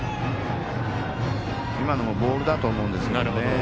今のもボールだと思うんですけど。